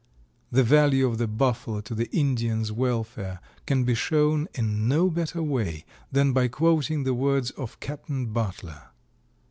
The value of the Buffalo to the Indian's welfare can be shown in no better way than by quoting the words of Captain Butler.